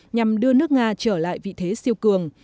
nhằm đưa nước nga trở lại vị thế siêu cường